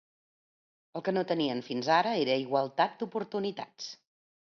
El que no tenien, fins ara, era igualtat d’oportunitats.